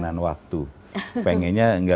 tidak ada tekanan tekanan begitu ya pak ya